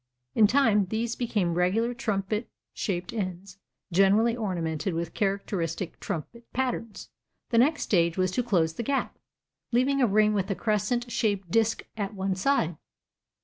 In time these became regular trumpet shaped ends, generally ornamented with characteristic "trumpet" patterns. The next stage was to close the gap, leaving a ring with a crescent shaped disc at one side.